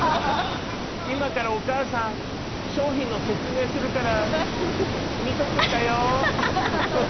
今からお母さん商品の説明するから見とくんだよ。